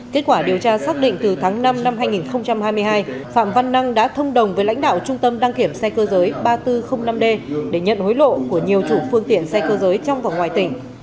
kết quả điều tra xác định từ tháng năm năm hai nghìn hai mươi hai phạm văn năng đã thông đồng với lãnh đạo trung tâm đăng kiểm xe cơ giới ba nghìn bốn trăm linh năm d để nhận hối lộ của nhiều chủ phương tiện xe cơ giới trong và ngoài tỉnh